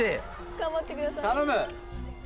頑張ってください